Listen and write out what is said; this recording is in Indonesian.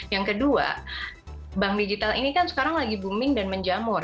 yang kedua bank digital ini kan sekarang lagi booming dan menjamur